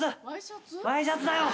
ワイシャツだよ。